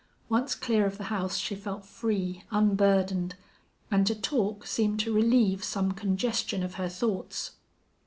Once clear of the house she felt free, unburdened, and to talk seemed to relieve some congestion of her thoughts.